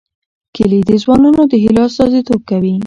کلي د ځوانانو د هیلو استازیتوب کوي.